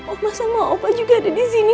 oma sama opa juga ada disini